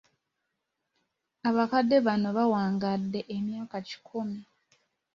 Abakadde bano bawangadde emyaka kikumi.